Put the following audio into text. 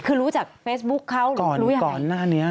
คือรู้จากเฟซบุ๊กเขารู้อย่างไร